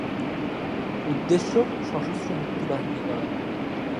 উদ্দেশ্য সশস্ত্র মুক্তিবাহিনী গড়া।